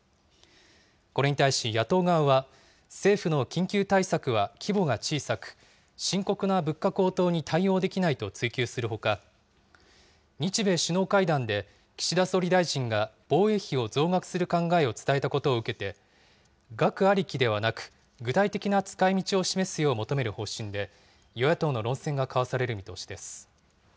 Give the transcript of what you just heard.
これに対し野党側は、政府の緊急対策は規模が小さく、深刻な物価高騰に対応できないと追及するほか、日米首脳会談で、岸田総理大臣が防衛費を増額する考えを伝えたことを受けて、額ありきではなく、具体的な使いみちを示すよう求める方針で、与野党の論戦が交わされる見通しです。